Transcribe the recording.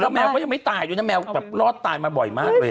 แมวก็ยังไม่ตายด้วยนะแมวแบบรอดตายมาบ่อยมากเลย